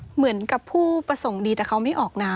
เหมือนกับผู้ประสงค์ดีแต่เขาไม่ออกน้ำ